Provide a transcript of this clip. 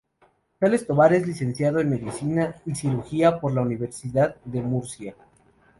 González Tovar es licenciado en Medicina y Cirugía por la Universidad de Murcia.